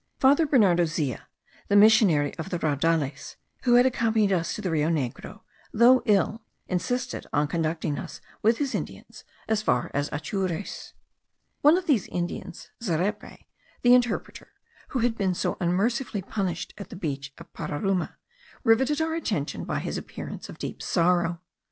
Father Bernardo Zea, missionary at the Raudales, who had accompanied us to the Rio Negro, though ill, insisted on conducting us with his Indians as far as Atures. One of these Indians, Zerepe, the interpreter, who had been so unmercifully punished at the beach of Pararuma, rivetted our attention by his appearance of deep sorrow.